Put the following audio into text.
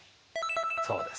そうです。